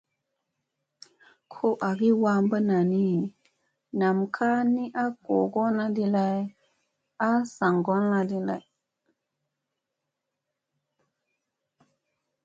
Ko agi wamɓa nani, nam ka ni a googona di lay a saa ŋgolla di lay.